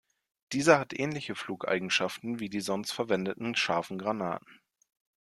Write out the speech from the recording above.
Diese hat ähnliche Flugeigenschaften wie die sonst verwendeten scharfen Granaten.